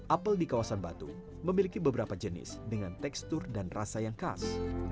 apel di kawasan batu memiliki beberapa jenis dengan tekstur dan rasa yang khas